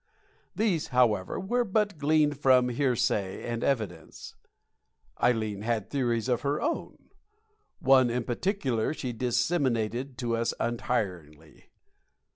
These, however, were but gleaned from hearsay and evidence: Ileen had theories of her own. One, in particular, she disseminated to us untiringly.